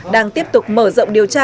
đang tiếp tục mở rộng điều tra